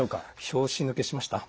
拍子抜けしました？